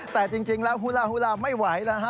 แต่จริงหละฮุล่าไม่ไหวเราฮะ